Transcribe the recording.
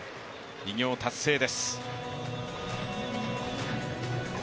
偉業達成です。